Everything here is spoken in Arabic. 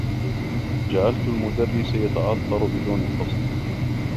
جعلت المدرّس يتعثّر بدون قصد.